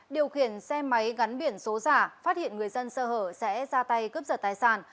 điều khiển xe máy gắn biển số giả phát hiện người dân sơ hở sẽ ra tay cướp giật tài sản